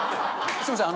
すみません